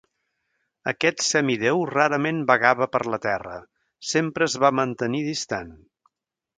Aquest semidéu rarament vagava per la Terra; sempre es va mantenir distant.